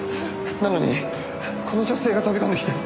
なのにこの女性が飛び込んできて。